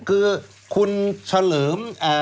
คือคุณเฉลิม